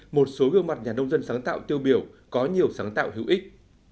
một số gương mặt nhà nông dân sáng tạo tiêu biểu có nhiều sáng tạo hữu ích